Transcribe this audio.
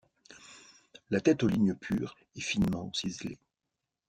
La tête, aux lignes pures, est finement ciselée.